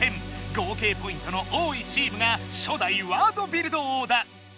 合計ポイントの多いチームが初代ワードビルド王だ！